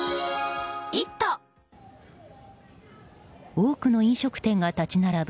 多くの飲食店が立ち並ぶ